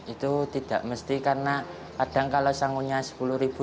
itu tidak mesti karena kadang kalau sanggunya sepuluh ribu